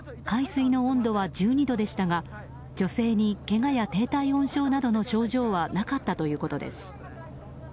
海水の温度は１２度でしたが女性に、けがや低体温症などの症状はなかったということです。